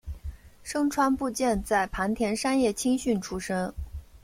牲川步见在磐田山叶青训出身。